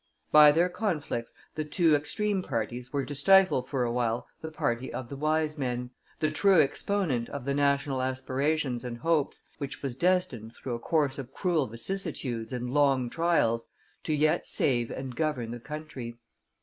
By their conflicts the two extreme parties were to stifle for a while the party of the wise men, the true exponent of the national aspirations and hopes, which was destined, through a course of cruel vicissitudes and long trials, to yet save and govern the country.